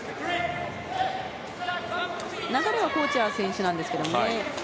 流れはコーチャー選手なんですけどね。